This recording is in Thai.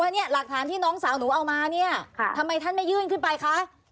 เนี่ยหลักฐานที่น้องสาวหนูเอามาเนี่ยทำไมท่านไม่ยื่นขึ้นไปคะ